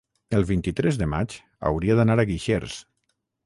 el vint-i-tres de maig hauria d'anar a Guixers.